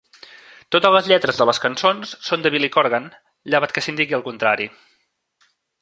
Totes les lletres de les cançons són de Billy Corgan, llevat que s'indiqui el contrari.